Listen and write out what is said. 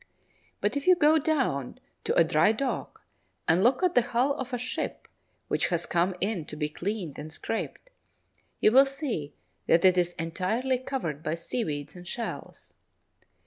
But if you go down to a dry dock and look at the hull of a ship which has come in to be cleaned and scraped, you will see that it is entirely covered by seaweeds and shells.